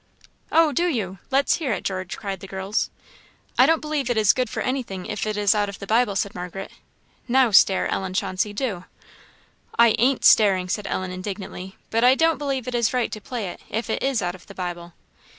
"Oh, do you? let's hear it, George," cried the girls. "I don't believe it is good for anything if it is out of the Bible," said Margaret. "Now stare, Ellen Chauncey, do!" "I ain't staring," said Ellen, indignantly; "but I don't believe it is right to play it, if it is out of the Bible."